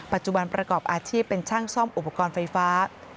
ประกอบอาชีพเป็นช่างซ่อมอุปกรณ์ไฟฟ้า